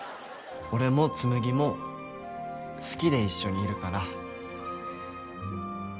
「俺も紬も好きで一緒にいるから」